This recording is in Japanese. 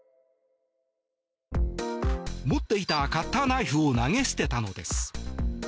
持っていたカッターナイフを投げ捨てたのです。